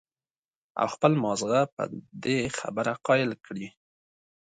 او خپل مازغۀ پۀ دې خبره قائل کړي